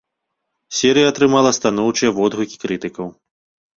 Серыя атрымала станоўчыя водгукі крытыкаў.